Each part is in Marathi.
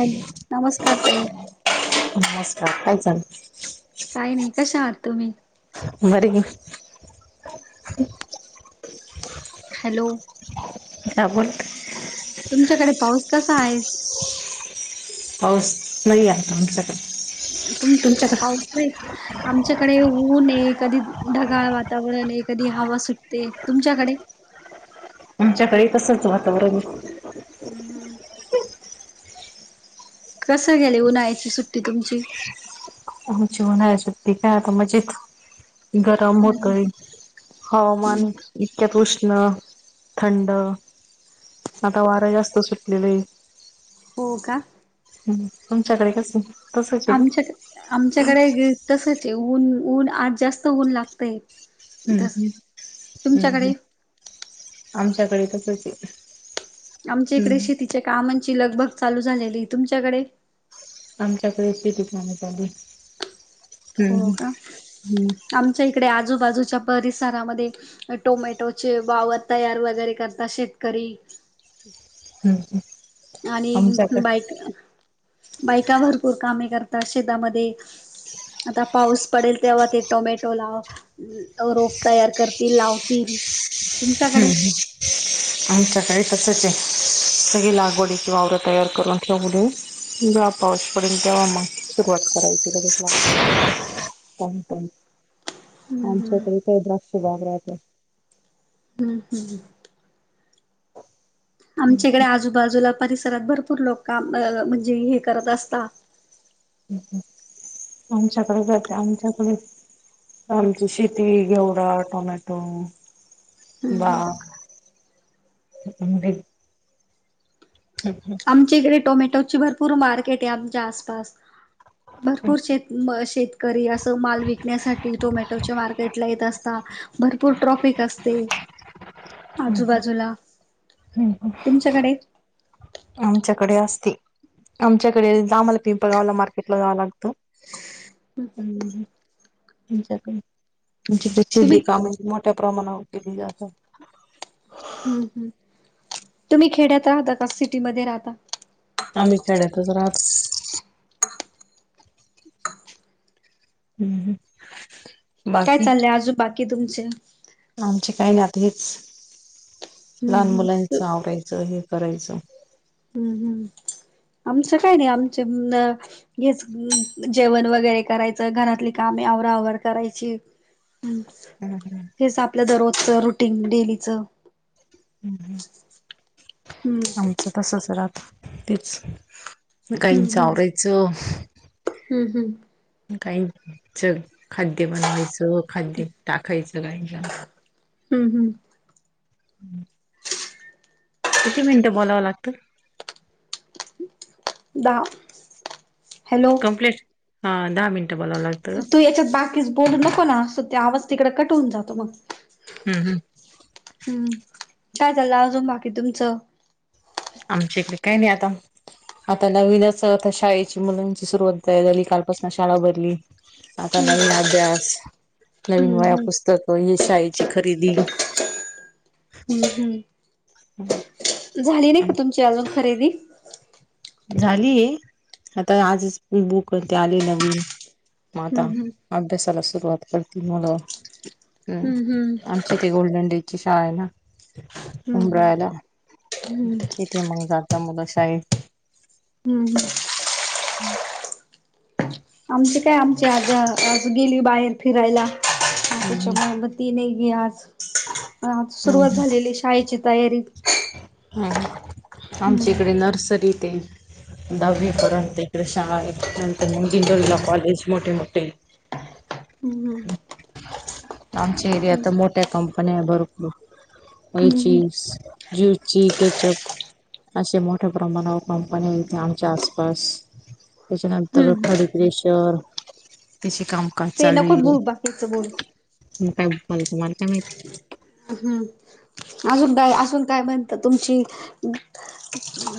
हॅलो, नमस्कार ताई. नमस्कार काय चाल. काही नाही कशा आहात तुम्ही? [unintelligible] हॅलो. हां बोल. तुमच्याकडे पाऊस कसाय? पाऊस नाई आता आमच्याकडं अं तुमच् पाऊस नाई का. आमच्याकडे ऊने, कधी ढगाळ वातावरणे, कधी हवा सुटते, तुमच्याकडे? आमच्याकडे तसंच वातावरण. हम्म हम्म. कसं गेले उन्हाळ्याची सुट्टी तुमची? आमची ऊन्हाळ्याच सुट्टी काय आता मजेत. गरम म्हणजे होतंय हम्म. हवामान इतक्यात उष्णं थंड. आता वारा जास्त सुटलेलंय. हो का? हम् तुमच्याकडे कसं तसंचे का? आमच्या आमच्याकडे ग् तसंचे ऊन ऊन आज जास्तं ऊन लागतंय. हम्म तस हम्म हम्म हम्म तुमच्याकडे आमच्याकडे तसंचे. आमच्या इकडे शेतीच्या कामांची लगभग चालू झालेली, तुमच्याकडे? आमच्याकडे शेतीच कामे चालुये. हो का हम्म आमच्या इकडे आजूबाजूच्या परिसरामध्ये टोमॅटोचे बावत तयार वगैरे करता शेतकरी हम्म हम्. आणि बायक बायका भरपूर कामे करता शेतामध्ये आता पाऊस पडेल तेव्हा ते टोमॅटो लाव रोफ तयार करतील लावतील. हम्म तुमच्याकडे हम्म आमच्याकडे तसंचे. सगळी लागवडीची वावरं तयार करुन ठेवली. जेव्हा पाऊस पडेल तेव्हा मंग सुरुवात करायची लगेच लाग पण पण आमच्याकडे हम्म तेव्हा द्राक्षं बाग राहते. हम्म हम्. आमच्याकडे आजूबाजूला परिसरात भरपूर लोक काम् म्हणजे हे करत असता. आमच्याकडे जाते आमच्याकडे आमची शेती घेवडा, टोमॅटो हम्म हम्म बाग, आंबे हम् हं. आमच्या इकडे टोमॅटोची भरपूर मार्केटे आमच्या आसपास. भरपूर शेत म शेत -करी असं माल विकण्यासाठी टोमॅटोच्या मार्केटला येत असता. भरपूर ट्रॉफिक असते. आजूबाजूला, तुमच्याकडे? आमच्याकडे असते. आमच्याकडे द आमाला पिंपळगावला मार्केटला जावं लागतं. हम्म. तुकड तुमची तर तुम्ही चड्डी [unintelligible] प्रमाणावर केली जाताय. हम्म हम्म, तुम्ही खेड्यात राहता का सिटीमध्ये राहता? आम्ही खेड्यातच राहतो. हम्म हम्. काय चाललंय आजू बाकी तुमच? आमची काय नाय आता हेच हम्म लहान हम्म मुलांचं आवरायचं हे करायचं. हम्म हम्म, आमचं काय नाय आमचे न हेच जेवण वगैरे करायचं घरातली कामे आवराआवर करायची. हम्म, हम्म हम्म तेच आपल रूटीन दररोजच रुटीन डेलीचं. हम्म हम्म, आमचं तसच राहात तेच. हम्म गाईच हम्म आवरायचं. हम्म हम्. गाईंच खाद्य बनवायचं खाद्य टाकायचं गाईना. हम्म हम्. [inaudible] किती मिनिटं बोलावं लागतं? दहा हॅलो कंप्लेंट हा दहा मिनट तू याच्यात बाकीच बोलू नको ना अस ते आवाज तिकड कट होऊन जातो मग. हम्म हम्म. हम्म, काय चाललं अजून बाकी तुमचं? आमच्या इकड काय नाय आता. आता नवीनच आता शाळेची मुलांची सुरुवात तयार झाली कालपासन शाळा भरली. आता नवीन अभ्यास नवीन हम्म वया हम्म पुस्तकं ही शाळेची खरेदी. हम्म हम्म. हम्. झाली नाईका तुमची अजून खरेदी? झाली आता आजच बुक ते आले नवीन. म आता हम्म हम्म अभ्यासाला सुरुवात करतील मुल. हम्म, आमची तेे गोल्डन डेची शाळा आय ना. हम्म हम्म उंब्राळ्याला हम्म हम्म तिथे मग जाता मुलं शाळेत. हम्म हम्म. [inaudible] आमचे काय आमचे आज आज गेली बाहेर फिरायला त्याच्यामुळ ती नाही घे आज आज सुरुवात झालेली शाळेची तयारी हा हा हम्म आमच्या हिकडे नर्सरी ते दहावी पर्यंत इकडे शाळा आहे नंतर दिंडोरीला कॉलेज मोठे मोठे. हम्म हम्. आमच्या एरियात मोठ्या कंपन्या आय भरपुर. हम्म हम्म पयचीस ज्यु ची केचप अशे मोठ्या प्रमाणावर कंपनी इथ आमच्या आसपास. त्याच्यानंतर हम्म खडीप्रेशर तिची काम काम ते चालू नको येईल. बोलू बाकीचं बोलू मग मला तुम्हाला काय माहिती? हम्म, अजून काय अजून काय बनत तुमची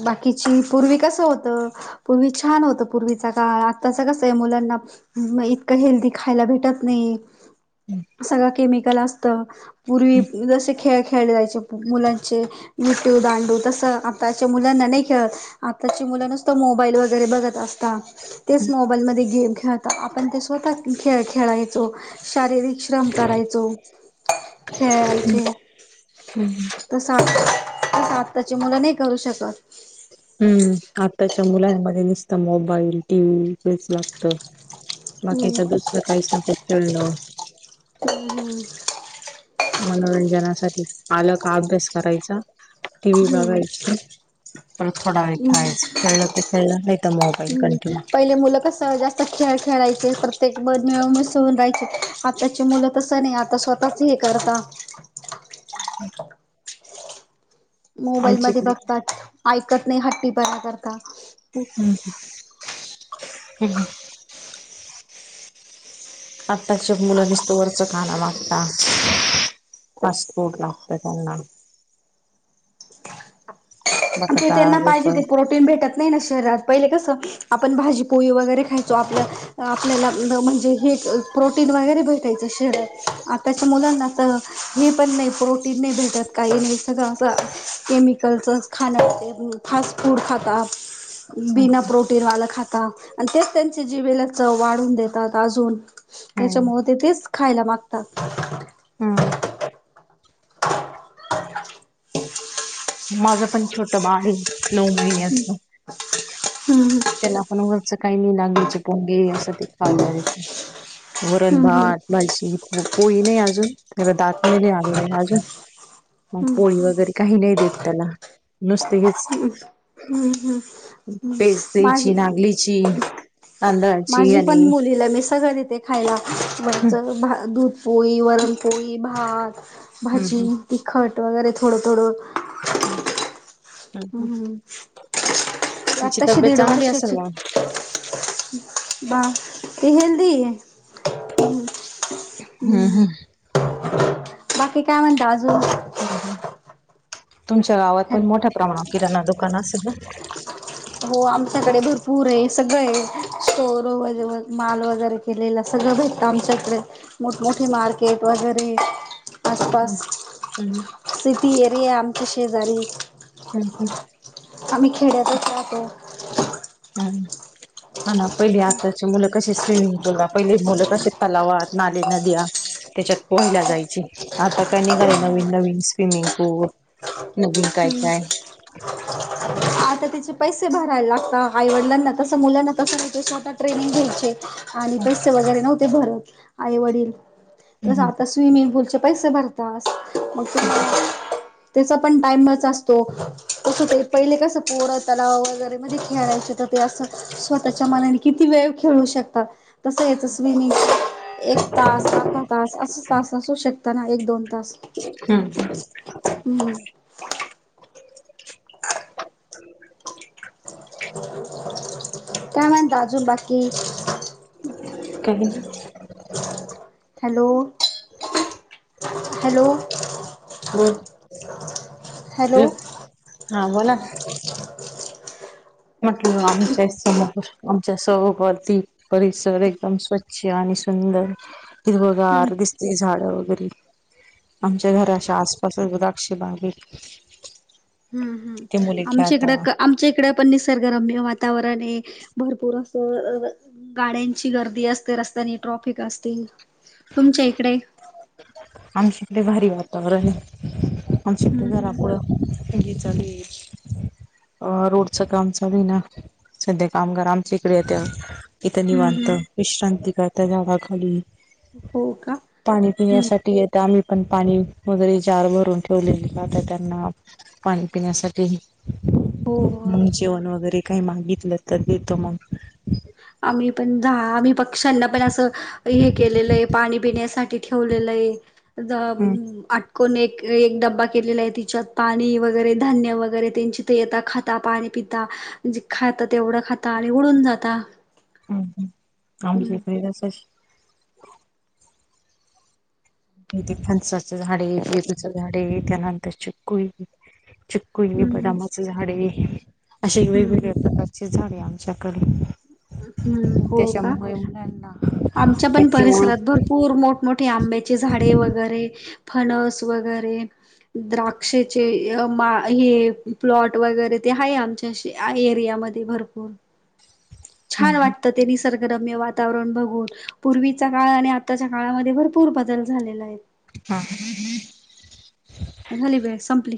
बाकीची पूर्वी कसं होतं पुर्वी छान होतं पुर्वीचा काळ आत्ताच कसं आहे मुलांना मग इतकं हेल्दी खायला भेटत नाही. सगळ केमिकल असतं पुर्वी जसे खेळ खेळले जायचे मुलांचे विटु दांडू तसं आताच्या मुलांना नाही खेळत आताची मुलं नुसतं मोबाईल वगैरे बघत असता तेच मोबाईल मध्ये गेम खेळतात. आपण ते स्वतः खेळायचो शारीरिक श्रम करायचो खेळायचे तसं आता आत्ताची मुलं नाही करू शकत. हम्म आताच्या मुलांमध्ये नुसत मोबाईल, टी व्ही हेच लागत. बाकीच्या दुसऱ काहीच नको खेळणं हम मनोरंजनासाठी आल का अभ्यास करायचा. टी व्ही हम्म बघायची. परत थोडा वेळ खेळाळच, खेळलं तर ते खेळलं नाही तर मोबाईल हम्म कंटिन्यू. पहिले मुलं कसं जास्त खेळ खेळायचे प्रत्येक मन मिळुन मिसळून राहायचे. आताची मुलं तसं नाही आता स्वतःच हे करता. [inaudible] मोबाईल आमच्या मध्ये इकडे बघतात. ऐकत नाही हट्टीपणा करतात. हम हं आत्ताचे मुलं नुसत वरच खाणं लागता फास्ट फूड लागत त्यांना ते बटाटा त्यांना पाहिजे वेफर ते पु भेटत नाही ना शहरात पहिले कसं आपण भाजी पोळी वगैरे खायचो आपलं आपल्याला म्हणजे हे प्रोटीन वगैरे भेटायचं शरीराला त्याच्या मुलांना तर हे पण नाही, प्रोटीन नाही भेटत काही नाही सगळं असं केमिकलच. खाणं अस फास्ट फूड खाता हम्म बिना प्रोटीनवालं खातात. आणि तेच त्यांचे जीभेला चव वाढून देतात अजून हम्म त्याच्यामुळे ते तेच खायला मागतात. हम्म ह [inaudible] माझं पण छोटं बाळ नऊ महिन्याच. हम्म त्यांना पण वरचं काही नाही. [unintelligible] असं ते खायला देते. वरण हम्म हम्म भात, भाजी पोळी - पोळी नाही अजून त्याला दात नाही आलेले अजून मग हम्म पोळी वगैरे काही नाही देत त्याला नुसत हेच हम् हम् हम् [unintelligible] तांदळाची माझी पण आणि मुलीला आहे मी सगळं देते. खायला वरचं भा दूधपोळी, वरणपोळी, भात, भाजी तिखट वगैरे थोडं थोडं हम हम् तिची आताशी तब्येत दीड चांगली असेल वर्षाची मग बा ते हेल्दी हे हम्म हम् बाकी काय म्हणता अजून? ह तुमच्या गावात पण मोठ्या प्रमाणात किराणा दुकान असेल ना? हो आमच्याकडे भरपूर आहे सगळं आहे स्टोर वग माल वगैरे निरेला सगळं भेटतं आमच्याकडे, मोठमोठे मार्केट वगैरे हम्म आसपास हम्म सिटी एरिया आहे आमच्या शेजारी हम्म हं आम्ही खेड्यातच राहतो हम्म हा ना पहिली आताचे मुलं कशी स्विमिंग पूलला पहिली मुलं कसे तलावात नाले नद्या त्याच्यात पोहायला जायचे, आता काय निघाले नवीन नवीन स्विमिंग पूल नवीन काय हम्म काय आता त्याचे पैसे भरायला लागता आई वडिलांना तसं मुलांना तसे तिथे स्वतः ट्रेनिंग घ्यायचे आणि पैसे वगैरे नव्हते भरत आई वडील तसं हम्म आता स्विमिंग पूलचे पैसे भरतास मग त्याचा पण टाइमच असतो कसं ते पहिले कसं पोरं तलाव वगैरे मध्ये खेळायचे तर ते असं स्वतःच्या मनाने किती वेळ खेळू शकतात तसं हेच स्विमिंग एक तास, अर्धा तास असंच तास असू शकतं ना एक, दोन तास हम्म हम हं काय म्हणता अजून बाकी काय नाही हॅलो हॅलो बोल हॅलो हा बोला [unintelligible] म्हटलं आमच्या समोर आमच्या सोबती परिसर एकदम स्वच्छ आणि सुंदर, हम्म हिरवगार दिस ते झाडं वगैरे आमच्या घराच्या आसपास सगळं द्राक्ष बाग आहेत हम्म हम् आमच्या खेळतात इकडं आमच्या इकडं पण निसर्गरम्य वातावरण आहे भरपूर असं गाड्यांची गर्दी असते रस्त्यांनी ट्रॉफिक असते तुमच्या इकडे आमच्या इकडे भारी वातावरण आहे आमच्या इकडे हम्म घरापुढं [unintelligible] अ रोडचं काम चालूये ना सध्या कामगार आमच्या इकडे येतात इथं हम्म निवांत हम्म विश्रांती करता झाडाखाली हो का? पाणी हम्म पिण्यासाठी येतं आम्ही पण पाणी वैगरे जार भरून ठेवलेली त्यांना. पाणी पिण्यासाठी हो आम्ही जेवण हो. वगैरे काही मागितलं तर देतो मग आम्ही पण जा आम्ही पक्ष्यांना पण असं हे केलेलं आहे पाणी पिण्यासाठी ठेवलेलं आहे हम्म जव्हा आत कोण एक एक डब्बा केलेला आहे तिच्यात पाणी वगैरे धान्य वगैरे त्यांची ती येता खा ता पाणी पिता जे खाता तेवढं खाता आणि उडून जाता हम्, हं आमच्या हम्म हिथ एक असं शे हिथ फणसाच झाडे ये, पेरूचं झाडे ये, त्यानंतर चिक्कु ये. चिक्कु ये, हम्म बदामाचं झाड ये, अशे हम्म वेगवेगळ्या प्रकारचे झाडे आम च्या कडे. हम्म, हो का? आमच्या पण त्याची ओळख परिसरात भरपु पूर मोठमोठे आंब्याचे झाडे वगैरे फणस वगैरे द्राक्षेचे अं मा हे प्लॉट वगैरे ते आहे, आमच्या शे एरियामध्ये भरपूर. छान हम्म वाटतं ते निसर्गरम्य वातावरण बघून. पूर्वीचा काळ आणि आत्ताच्या काळामध्ये भरपूर बदल झालेला आहे. हा, [inaudible] झाली वेळ संपली.